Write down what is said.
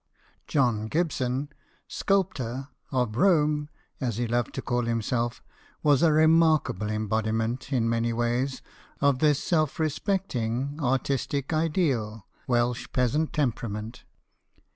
John Gibson, sculptor, of Rome, as he loved to call himself, was a remarkable embodiment, in many ways, of this self respecting, artistic, ideal Welsh peasant temperament.